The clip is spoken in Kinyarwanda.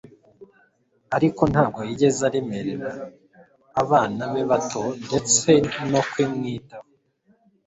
ariko ntabwo yigeze aremerera abana be bato ndetse no kumwitaho